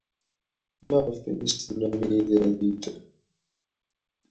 Maɣef ay as-tennam i Yidir ad yeddu?